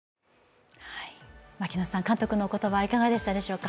監督のお言葉いかがでしたでしょうか。